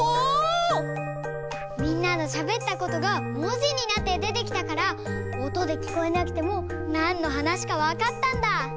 みんなのしゃべったことがもじになってでてきたからおとできこえなくてもなんのはなしかわかったんだ。